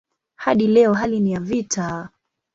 Hadi leo hali ni ya vita.